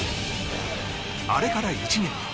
あれから１年。